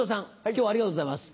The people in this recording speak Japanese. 今日はありがとうございます。